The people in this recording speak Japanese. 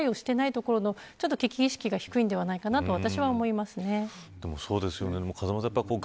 そこらへんの緊急対応をしていないところの危機意識が低いんではないかなと私は思います。